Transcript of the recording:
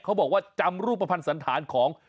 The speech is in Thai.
บอกว่าจำรูปภัณฑ์สันธารของ